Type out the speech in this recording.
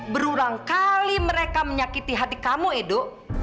berulang kali mereka menyakiti hati kamu edo